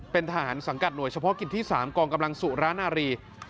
เป็นทหารสังกัดหน่วยเฉพาะกิจที่๓กองกำลังสุรานารี